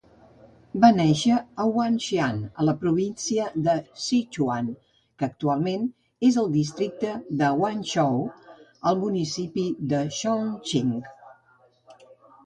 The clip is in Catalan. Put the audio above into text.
Va néixer a Wanxian, a la província de Sichuan, que actualment és els districte de Wanzhou, al municipi de Chongqing.